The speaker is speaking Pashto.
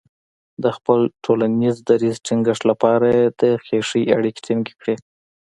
د خپل ټولنیز دریځ ټینګښت لپاره یې د خیښۍ اړیکې ټینګې کړې.